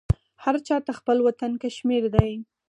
هر چا ته خپل وطن کشمیر دی